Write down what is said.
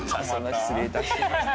失礼致しました。